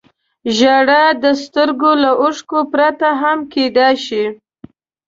• ژړا د سترګو له اوښکو پرته هم کېدای شي.